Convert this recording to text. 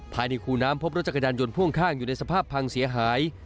คูน้ำพบรถจักรยานยนต์พ่วงข้างอยู่ในสภาพพังเสียหาย